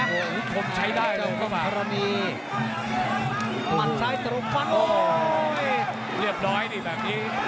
โอ้โหผมใช้ได้เลยก็แบบมันซ้ายตรงฝั่งโอ้โหเรียบร้อยดิแบบนี้